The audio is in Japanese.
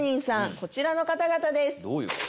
こちらの方々です。